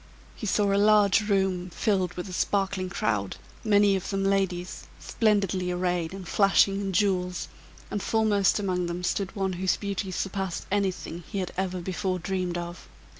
He saw a large room filled with a sparkling crowd, many of them ladies, splendidly arrayed and flashing in jewels, and foremost among them stood one whose beauty surpassed anything he had ever before dreamed of.